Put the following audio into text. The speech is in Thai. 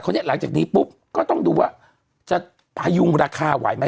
หลังจากนี้ปุ๊บก็ต้องดูว่าจะพยุงราคาไหวไหม